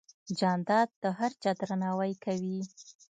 جانداد د هر چا درناوی کوي.